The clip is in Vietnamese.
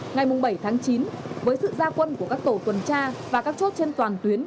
ngày bảy chín với sự gia quân của các tổ tuần tra và các chốt trên toàn tuyến